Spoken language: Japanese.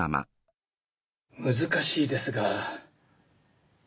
難しいですが。